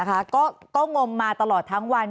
ก็งมมาตลอดทั้งวัน